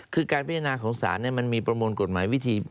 คือการพิจารณาของศาลมันมีประมวลกฎหมายวิธี